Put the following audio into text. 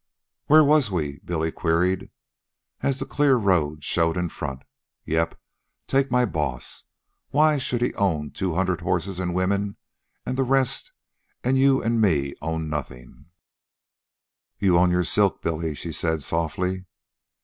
"Where was we?" Billy queried, as the clear road showed in front. "Yep, take my boss. Why should he own two hundred horses, an' women, an' the rest, an' you an' me own nothin'?" "You own your silk, Billy," she said softly.